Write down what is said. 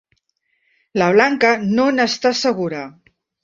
La Blanca no n'està segura.